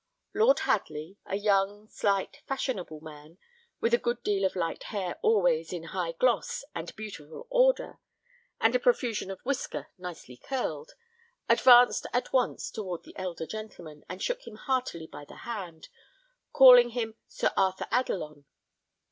Lord Hadley, a young, slight, fashionable man, with a good deal of light hair always in high gloss and beautiful order, and a profusion of whisker nicely curled, advanced at once towards the elder gentleman, and shook him heartily by the hand, calling him Sir Arthur Adelon.